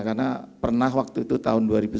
karena pernah waktu itu tahun dua ribu sembilan belas